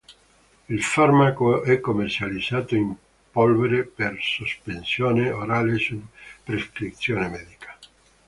Il farmaco è commercializzato in polvere per sospensione orale su prescrizione medica.